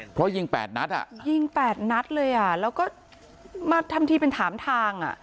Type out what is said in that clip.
เพราะยิง๘นัดอ่ะยิง๘นัดเลยอ่ะแล้วก็มาทำทีเป็นถามทางอ่ะ